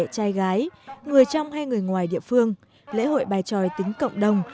trai gái người trong hay người ngoài địa phương lễ hội bài tròi tính cộng đồng